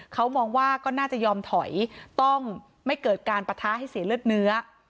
เขามองว่าก็น่าจะยอมถอยต้องไม่เกิดการปะท้าให้เสียเลือดเนื้อ